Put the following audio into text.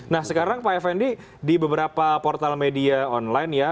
nah sekarang pak effendi di beberapa portal media online ya